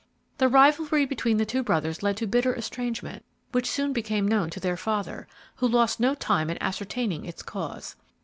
The rivalry between the two brothers led to bitter estrangement, which soon became known to their father, who lost no time in ascertaining its cause.